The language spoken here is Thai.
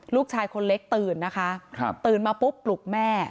ลูกชายคนเล็กตื่นนะคะตื่นมาปุ๊บปลุกแม่